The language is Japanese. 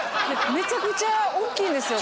めちゃくちゃおっきいんですよ